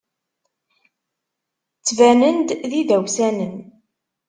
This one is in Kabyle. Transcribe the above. Ttbanen-d d idawsanen.